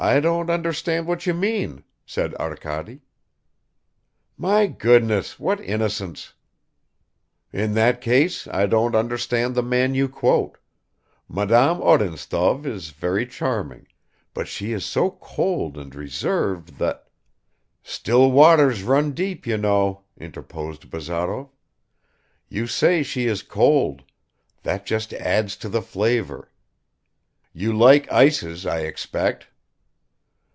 "I don't understand what you mean," said Arkady. "My goodness, what innocence!" "In that case I don't understand the man you quote. Madame Odintsov is very charming, but she is so cold and reserved that ..." "Still waters run deep, you know," interposed Bazarov. "You say she is cold; that just adds to the flavor. You like ices, I expect."